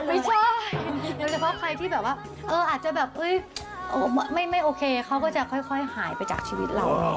ไม่ใช่โดยเฉพาะใครที่แบบว่าอาจจะแบบไม่โอเคเขาก็จะค่อยหายไปจากชีวิตเรา